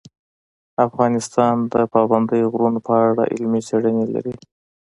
افغانستان د پابندی غرونه په اړه علمي څېړنې لري.